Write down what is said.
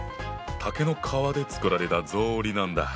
竹の皮で作られた草履なんだ。